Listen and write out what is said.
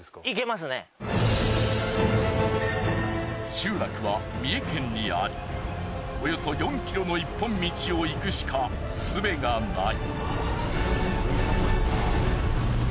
集落は三重県にありおよそ４ｋｍの一本道を行くしか術がない。